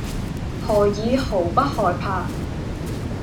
何以毫不害怕；